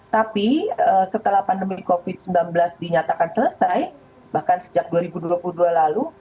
tapi setelah pandemi covid sembilan belas dinyatakan selesai bahkan sejak dua ribu dua puluh dua lalu